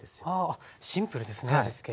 あシンプルですね味付け。